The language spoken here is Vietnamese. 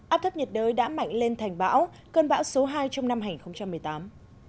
áp thấp nhiệt đới đã mạnh lên thành bão cơn bão số hai trong năm hai nghìn một mươi tám